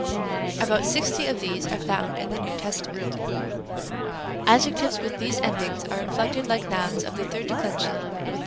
About sixty of these are found in the New Testament. Rem. b. Adjectives with these endings are inflected like nouns of the third declension with the G.